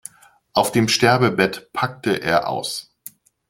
Auf dem Sterbebett packte er aus.